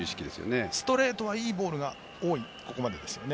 ストレートはいいボールが多いここまでですね。